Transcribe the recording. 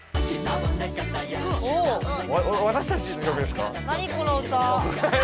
私たちの曲ですか？